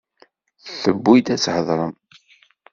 Tewwi-d ad tḥadrem.